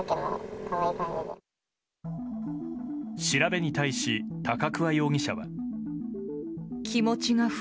調べに対し、高桑容疑者は。